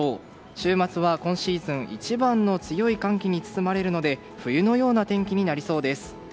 週末は今シーズン一番の強い寒気に包まれるので冬のような天気になりそうです。